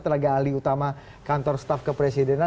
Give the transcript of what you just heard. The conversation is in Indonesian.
tenaga ahli utama kantor staf kepresidenan